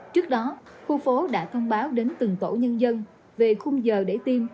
trước đó khu phố đã thông báo đến từng tổ nhân dân về khung giờ để tiêm